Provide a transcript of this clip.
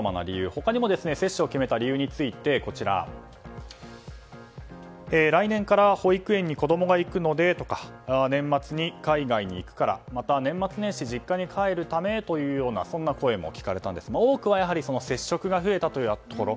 他にも接種を決めた理由についてこちら、来年から保育園に子供が行くのでとか年末に海外に行くからまた年末年始実家に帰るためというようなそんな声も聞かれたんですが多くは接触が増えたというところ。